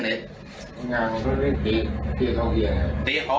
เด็ดของ